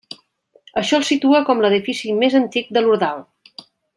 Això el situa com l'edifici més antic de l'Ordal.